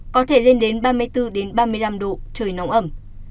có thể lên đến ba mươi bốn ba mươi năm độ trời nóng ẩm